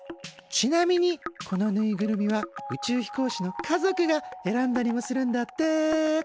ちなみにこのぬいぐるみは宇宙飛行士の家族が選んだりもするんだって。